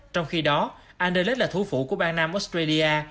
trong khi đó anderlet là thủ phủ của bang nam australia